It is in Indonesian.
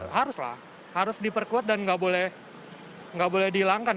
harus lah harus diperkuat dan nggak boleh dihilangkan